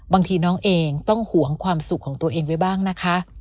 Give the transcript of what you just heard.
บางทีน้องเองต้องห่วงความสุขของตัวเองไว้บ้างนะคะ